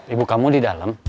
ibu kamu di dalam